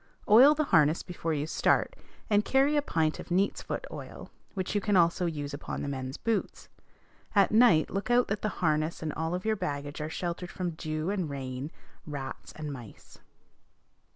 Oil the harness before you start, and carry about a pint of neat's foot oil, which you can also use upon the men's boots. At night look out that the harness and all of your baggage are sheltered from dew and rain, rats and mice.